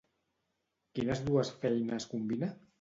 Quines dues feines combina?